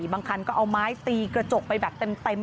บางคันก็เอาไม้ตีกระจกไปแบบเต็ม